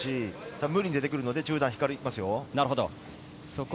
無理に出てくるので中段、光りますよ。